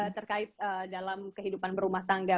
terkait dalam kehidupan berumah tangga